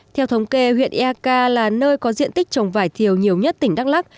theo thống kê huyện eak là nơi có diện tích trồng vải thiều nhiều nhất tỉnh đắk lắc